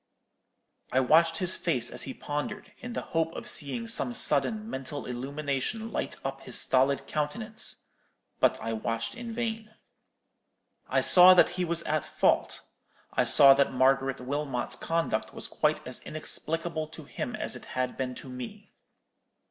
"I watched his face as he pondered, in the hope of seeing some sudden mental illumination light up his stolid countenance: but I watched in vain. I saw that he was at fault: I saw that Margaret Wilmot's conduct was quite as inexplicable to him as it had been to me.